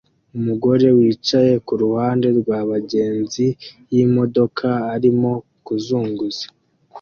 Umugore wicaye kuruhande rwabagenzi yimodoka arimo kuzunguza